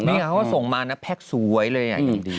เขาก็ส่งมาแพลกสวยเลย